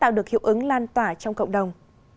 tạo được hiệu ứng lan tỏa trong cộng đồng